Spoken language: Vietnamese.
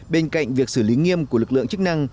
bên cạnh việc xử lý nghiêm của lực lượng